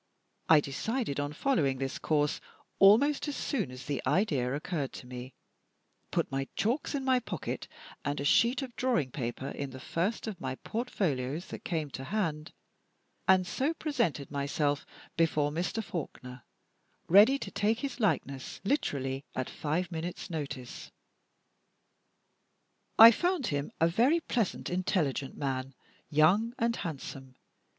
I decided on following this course almost as soon as the idea occurred to me put my chalks in my pocket, and a sheet of drawing paper in the first of my portfolios that came to hand and so presented myself before Mr. Faulkner, ready to take his likeness, literally at five minutes' notice. I found him a very pleasant, intelligent man, young and handsome.